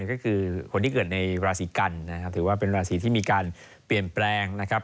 ก็คือคนที่เกิดในราศีกันนะครับถือว่าเป็นราศีที่มีการเปลี่ยนแปลงนะครับ